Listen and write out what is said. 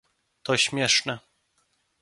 To śmieszne